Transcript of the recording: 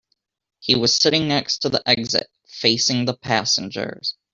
He was sitting next to the exit, facing the passengers.